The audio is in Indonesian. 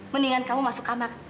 mendingan kamu masuk kamar